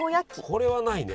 これはないね。